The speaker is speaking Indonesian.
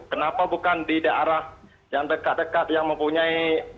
kenapa bukan di daerah yang dekat dekat yang mempunyai